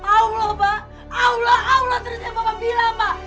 allah mbak allah allah terus yang bapak bilang mbak